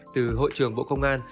từ hội trường bộ công an